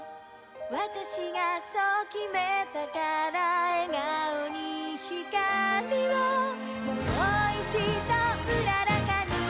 「わたしがそう決めたから」「笑顔にひかりをもう一度うららかに」